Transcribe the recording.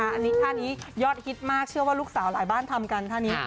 อันนี้ท่านี้ยอดฮิตมากเชื่อว่าลูกสาวหลายบ้านทำกันท่านี้